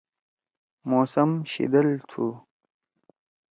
موسم شِدل تُھو۔